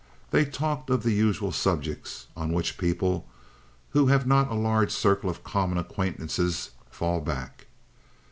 They talked of the usual subjects on which people who have not a large circle of common acquaintances fall back.